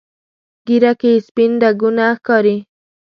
ږیره کې یې سپین ډکونه ښکاري.